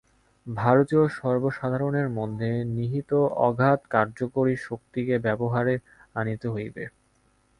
ভারতীয় সর্বসাধারণের মধ্যে নিহিত অগাধ কার্যকরী শক্তিকে ব্যবহারে আনিতে হইবে।